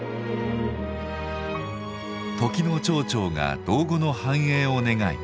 時の町長が道後の繁栄を願い